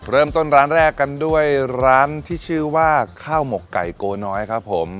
เริ่มต้นร้านแรกกันด้วยร้านที่ชื่อว่าข้าวหมกไก่โกน้อยครับผม